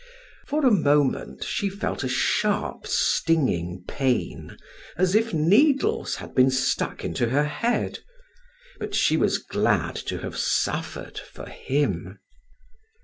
For a moment she felt a sharp, stinging pain, as if needles had been stuck into her head, but she was glad to have suffered for him.